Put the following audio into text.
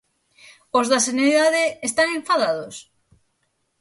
Os da sanidade están enfadados?